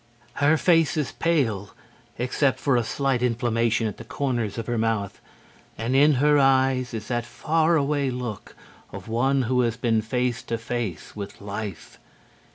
Her face is pale, except for a slight inflammation at the corners of her mouth, and in her eyes is that far away look of one who has been face to face with Life.